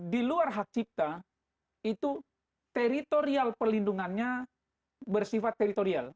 di luar hak cipta itu teritorial perlindungannya bersifat teritorial